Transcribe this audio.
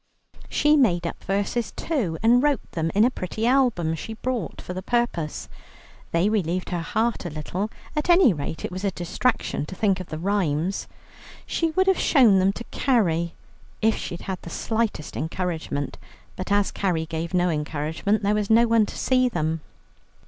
She made up verses too, and wrote them in a pretty album she bought for the purpose. They relieved her heart a little at any rate it was a distraction to think of the rhymes. She would have shown them to Carrie, if she had had the slightest encouragement, but as Carrie gave no encouragement, there was no one to see them.